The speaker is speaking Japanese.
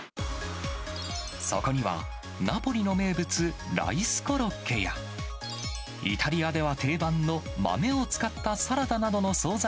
そこには、ナポリの名物、ライスコロッケやイタリアでは定番の豆を使ったサラダなどの総菜